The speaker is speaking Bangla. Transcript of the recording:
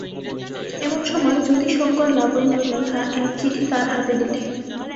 এমন সময় যতিশংকর লাবণ্যর লেখা এক চিঠি তার হাতে দিলে।